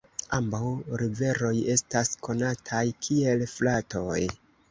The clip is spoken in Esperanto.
Ambaŭ riveroj estas konataj kiel fratoj.